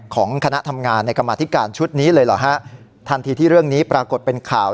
ของคณะทำงานในกรรมาธิการชุดนี้เลยเหรอฮะทันทีที่เรื่องนี้ปรากฏเป็นข่าว